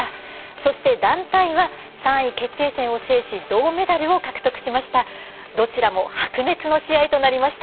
そして、団体は３位決定戦を制し銅メダルを獲得しました。